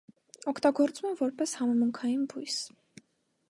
Օգտագործում են որպես համեմունքային բույս։